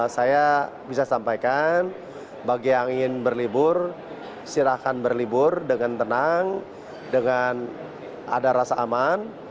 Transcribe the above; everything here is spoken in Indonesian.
saya bisa sampaikan bagi yang ingin berlibur silahkan berlibur dengan tenang dengan ada rasa aman